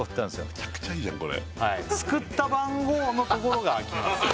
めちゃくちゃいいじゃんこれはいすくった番号のところがあきます